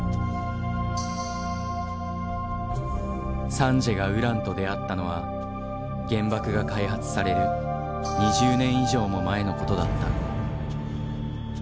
サンジエがウランと出会ったのは原爆が開発される２０年以上も前のことだった。